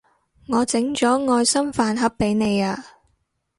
我整咗愛心飯盒畀你啊